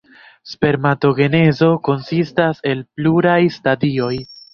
Spermatogenezo konsistas el pluraj stadioj.